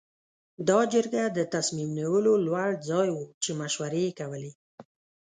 دا جرګه د تصمیم نیولو لوړ ځای و چې مشورې یې کولې.